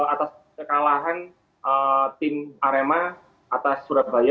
atas kekalahan tim arema atas surabaya